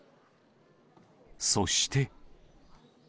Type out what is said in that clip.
そして。